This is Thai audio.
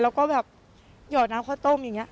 แล้วก็แบบหยอดน้ำข้าวต้มอย่างนี้